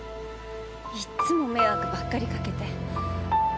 いっつも迷惑ばっかりかけて。